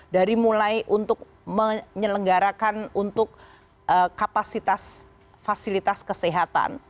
dari mulai untuk menyelenggarakan untuk kapasitas fasilitas kesehatan